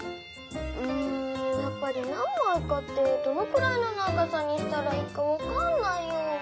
うんやっぱり「何まいか」ってどのくらいの長さにしたらいいかわかんないよ！